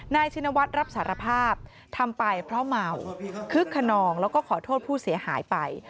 ชินวัฒน์รับสารภาพทำไปเพราะเมาคึกขนองแล้วก็ขอโทษผู้เสียหายไป